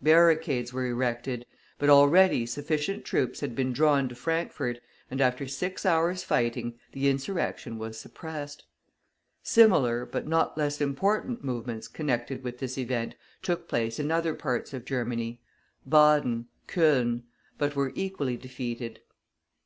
Barricades were erected, but already sufficient troops had been drawn to Frankfort, and after six hours' fighting, the insurrection was suppressed. Similar, but less important, movements connected with this event took place in other parts of Germany (Baden, Cologne), but were equally defeated.